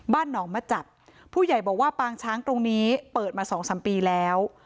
หนองมาจับผู้ใหญ่บอกว่าปางช้างตรงนี้เปิดมาสองสามปีแล้ว